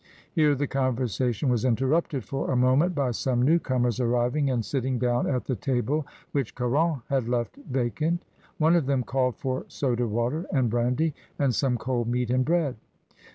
Here the conversation was interrupted for a moment by some new comers arriving and sitting down at the table which Caron had left vacant One of them called for soda water and brandy, and some cold meat and bread.